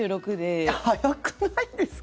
早くないですか？